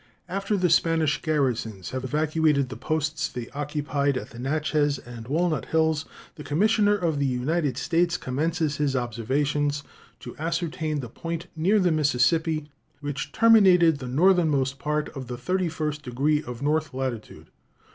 After the Spanish garrisons had evacuated the posts they occupied at the Natchez and Walnut Hills the commissioner of the United States commences his observations to ascertain the point near the Mississippi which terminated the northernmost part of the 31st degree of north latitude.